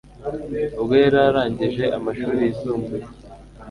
ubwo yari arangije amashuri yisumbuye